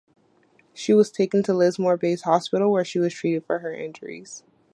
She was taken to Lismore Base Hospital, where she was treated for her injuries.